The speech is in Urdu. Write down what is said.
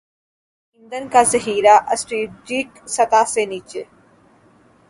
پاکستان میں ایندھن کا ذخیرہ اسٹریٹجک سطح سے نیچے